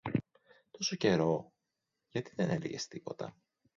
Τόσον καιρό, γιατί δεν έλεγες τίποτα;